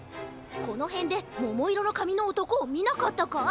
このへんでももいろのかみのおとこをみなかったか？